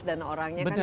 dan orangnya kan juga